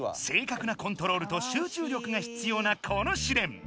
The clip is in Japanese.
正確なコントロールと集中力が必要なこの試練。